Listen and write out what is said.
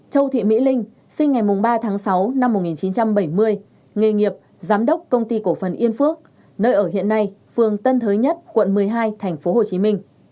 một châu thị mỹ linh sinh ngày ba tháng sáu năm hai nghìn một mươi năm